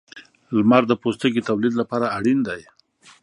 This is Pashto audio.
• لمر د پوستکي د تولید لپاره اړین دی.